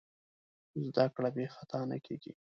زدهکړه بېخطا نه کېږي.